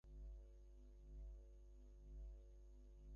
সে যে তাঁহার পরমাত্মীয় নহে এ কথা কে বলিবে।